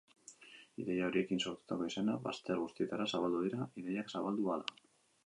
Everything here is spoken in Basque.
Ideia horiekin sortutako izenak bazter guztietara zabaldu dira, ideiak zabaldu ahala.